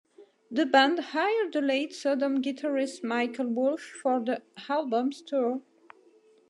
The band hired the late Sodom guitarist Michael Wulf for the album's tour.